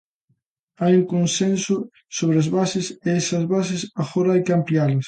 Hai un consenso sobre as bases, e esas bases agora hai que amplialas.